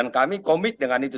komit dengan itu